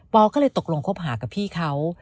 ก็เลยตกลงคบหากับพี่เขา